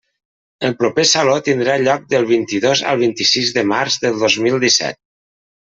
El proper Saló tindrà lloc del vint-i-dos al vint-i-sis de març del dos mil disset.